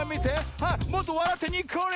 あっもっとわらってにっこり！